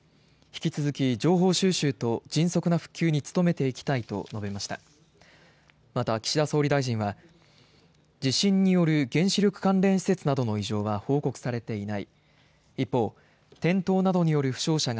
引き続き情報収集と迅速な復旧に努めていきたいと地震による原子力関連施設などの異常は報告されていない。